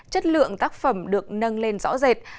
chất lượng tác phẩm được nâng lên rõ rệt